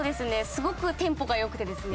すごくテンポが良くてですね